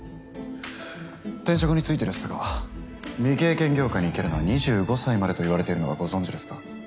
転職についてですが未経験業界にいけるのは２５歳までといわれているのはご存じですか？